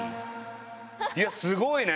いやすごいね。